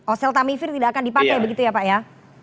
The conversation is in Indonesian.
oseltamivir tidak akan dipakai begitu ya pak ya